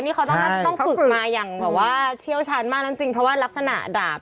นี่เค้าต้องฟึกมาอย่างมันว่าเที่ยวชั้นมาจริงเพราะว่ารักษณะดาบ